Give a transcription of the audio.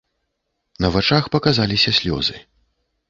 На вачах паказаліся слёзы.